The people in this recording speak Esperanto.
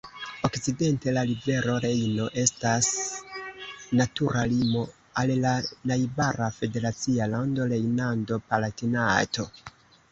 Okcidente la rivero Rejno estas natura limo al la najbara federacia lando Rejnlando-Palatinato.